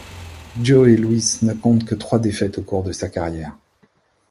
Joe Louis ne compte que trois défaites au cours de sa carrière.